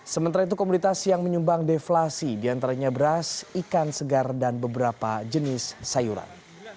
sementara itu komunitas yang menyumbang deflasi diantaranya beras ikan segar dan beberapa jenis sayuran